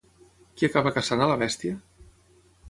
Qui acaba caçant a la bèstia?